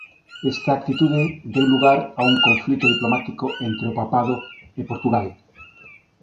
Esta actitude deu lugar a un conflito diplomático entre o Papado e Portugal.